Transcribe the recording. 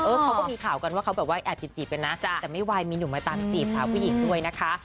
เขาก็มีข่าวกันว่าเขาแบบว่าแอบจีบกันนะแต่ไม่ไหวมีหนุ่มมาตามจีบสาวผู้หญิงด้วยนะคะ